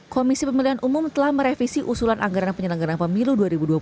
komisi pemilihan umum telah merevisi usulan anggaran penyelenggaran pemilu dua ribu dua puluh empat